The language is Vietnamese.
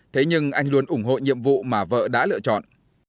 thế nhưng anh luôn ủng hộ nhiệm vụ mà vợ đã lựa chọn